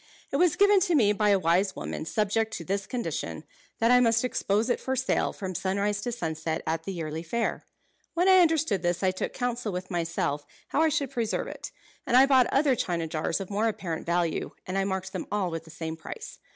It was given to me by a wise woman, subject to this condition, that I must expose it for sale from sunrise to sunset at the yearly fair. When I understood this I took counsel with myself how I should preserve it; and I bought other china jars of more apparent value, and I marked them all with the same price.